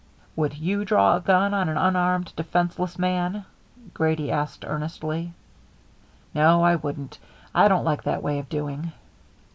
"Would you draw a gun on an unarmed, defenceless man?" Grady asked earnestly. "No, I wouldn't. I don't like that way of doing."